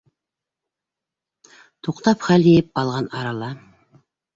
Туҡтап хәл йыйып алған арала: